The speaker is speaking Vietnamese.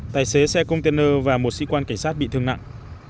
tài xế xe container và một sĩ quan cảnh sát bị thương nặng